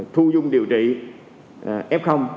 thu dung điều trị f